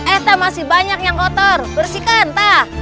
ehta masih banyak yang kotor bersihkan taah